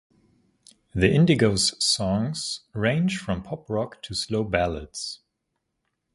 The Indigo's songs range from pop rock to slow ballads.